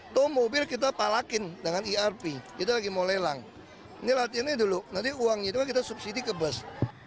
toh mobil kita palakin dengan irp kita lagi mau lelang ini latihannya dulu nanti uangnya juga kita subsidi ke bus